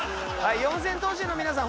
四千頭身の皆さん